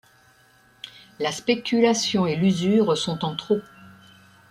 La spéculation et l'usure sont en trop.